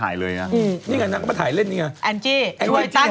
แอนจี้ช่วยตั้งใจดูข่าวหน่อยฮะ